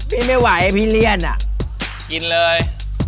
พี่ไม่ไหวพี่เลี่ยนกินเลย